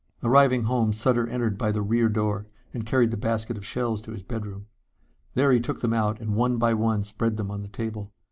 Arriving home, Sutter entered by the rear door and carried the basket of shells to his bedroom. There he took them out and one by one spread them on the table.